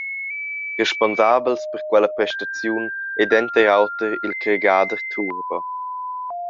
Responsabels per quella prestaziun ei denter auter il cargader turbo.